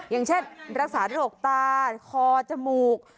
อย่างเช่นรักษาโรคตาคอจมูก